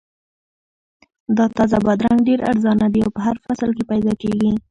دا تازه بادرنګ ډېر ارزانه دي او په هر فصل کې پیدا کیږي.